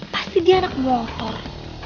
pasti dia anak motor